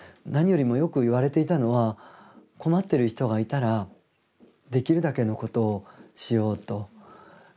何よりもよく言われていたのは困ってる人がいたらできるだけのことをしようと。